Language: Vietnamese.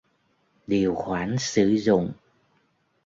Điều khoản sử dụng